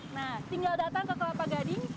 nah tinggal datang ke kelapa gading